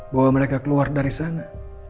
bahwa mereka keluar dari sana